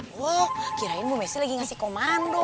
wow kirain bu messi lagi ngasih komando